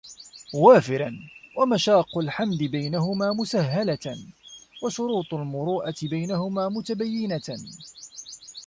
وَافِرًا ، وَمَشَاقُّ الْحَمْدِ بَيْنَهُمَا مُسَهَّلَةً ، وَشُرُوطُ الْمُرُوءَةِ بَيْنَهُمَا مُتَبَيَّنَةً